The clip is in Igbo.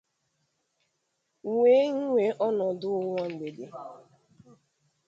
wee nwee ọnọdụ ụwa mgbèdè